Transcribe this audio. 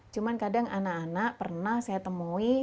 cuma kadang anak anak pernah saya temui